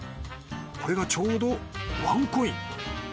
これがちょうどワンコイン。